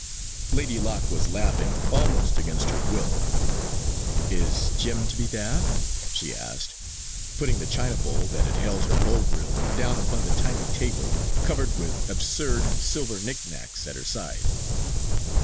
Lady Locke was laughing almost against her will. "Is Jim to be there?" she asked, putting the china bowl, that had held her Bovril, down upon the tiny table, covered with absurd silver knickknacks, at her side.